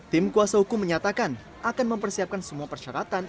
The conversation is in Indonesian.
tim kuasa hukum menyatakan akan mempersiapkan semua persyaratan